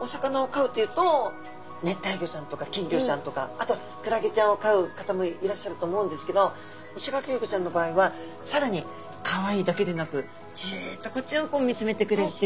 お魚を飼うっていうと熱帯魚ちゃんとか金魚ちゃんとかあとはクラゲちゃんを飼う方もいらっしゃると思うんですけどイシガキフグちゃんの場合はさらにかわいいだけでなくジッとこっちを見つめてくれるという。